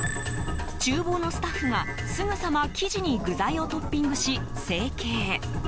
厨房のスタッフがすぐさま生地に具材をトッピングし、成形。